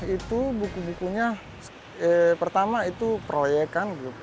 itu buku bukunya pertama itu proyek kan